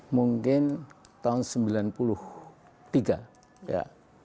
mungkin tahun sembilan puluh tiga ya